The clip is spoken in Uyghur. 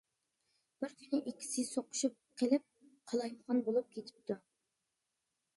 بىر كۈنى ئىككىسى سوقۇشۇپ قېلىپ قالايمىقان بولۇپ كېتىپتۇ.